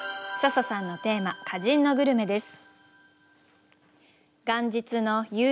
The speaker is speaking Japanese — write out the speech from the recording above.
笹さんのテーマ「歌人のグルメ」です。